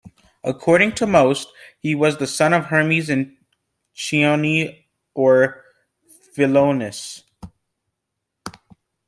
According to most, he was the son of Hermes and Chione or Philonis.